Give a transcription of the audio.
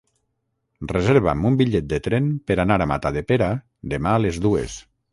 Reserva'm un bitllet de tren per anar a Matadepera demà a les dues.